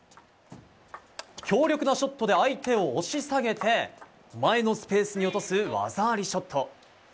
強力なショットで相手を押し下げて前のスペースに落とす技ありショット。